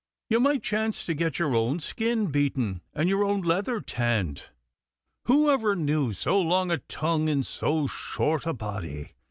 'You might chance to get your own skin beaten and your own leather tanned.' 'Who ever knew so long a tongue in so short a body?